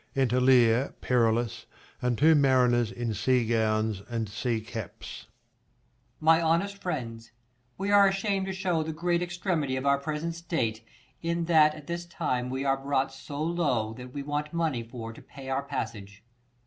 Enter Leir, Perillus, and two mariners in sea gowns and sea caps. Per. My honest friends, we are asham'd to shew The great extremity of our present state, In that at this time we are brought so low, That we want money for to pay our passage.